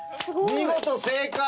見事正解！